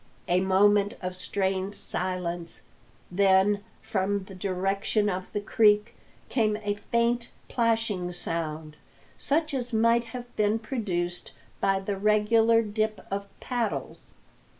A moment of strained silence; then, from the direction of the creek came a faint plashing sound, such as might have been produced by the regular dip of paddles.